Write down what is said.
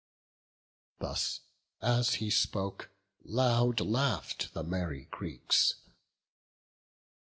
Thus as he spoke, loud laugh'd the merry Greeks.